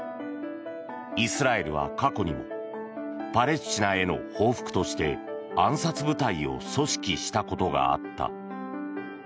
イスラエルは、過去にもパレスチナへの報復として暗殺部隊を組織したことがあった。